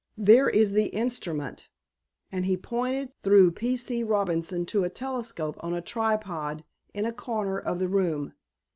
There is the instrument," and he pointed through P. C. Robinson to a telescope on a tripod in a corner of the room.